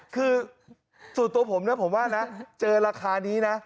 คือส่วนตัวผมนะผมว่านะเจอราคานี้นะ